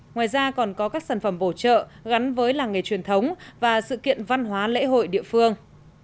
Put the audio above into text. ngoài ra còn có các sản phẩm bổ trợ gắn với làng nghề truyền thống và sự kiện văn hóa lễ hội địa phương